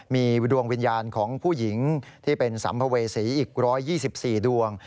มีดวงวิญญาณของผู้หญิงที่เป็นสัมภเวษีอีก๑๒๔ดวง